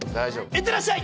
いってらっしゃい！